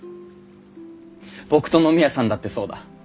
僕と野宮さんだってそうだ。